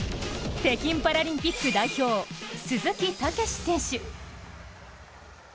北京パラリンピック代表鈴木猛史選手。